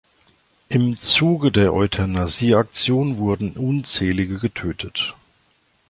Im Zuge der Euthanasie-Aktion wurden unzählige getötet.